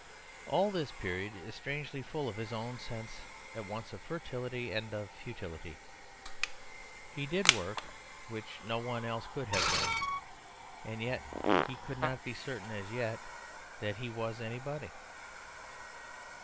All this period is strangely full of his own sense at once of fertility and of futility; he did work which no one else could have done, and yet he could not be certain as yet that he was anybody.